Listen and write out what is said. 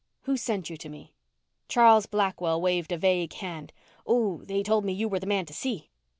"Who sent you to me?" Charles Blackwell waved a vague hand, "Oh, they told me you were the man to see."